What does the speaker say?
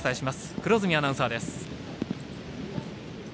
黒住アナウンサーです。